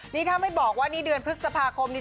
นี่ถ้าไม่บอกว่านี่เดือนพฤษภาคมนี้